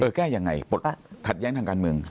เออแก้ยังไงขัดแย้งทางการเมือง